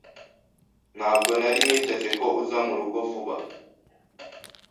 Ntabwo nari niteze ko uza murugo vuba.